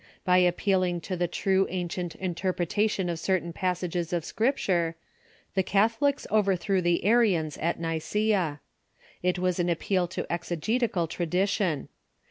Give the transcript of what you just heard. By appealing to the true ancient inter pretation of certain passages of Scripture, the Catholics over threw the Arians at Nicjea, It was an appeal to exegetical tradition.